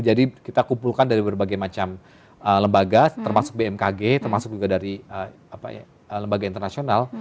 jadi kita kumpulkan dari berbagai macam lembaga termasuk bmkg termasuk juga dari lembaga internasional